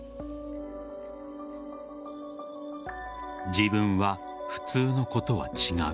自分は普通の子とは違う。